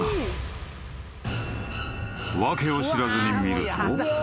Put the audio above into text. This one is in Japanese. ［訳を知らずに見ると］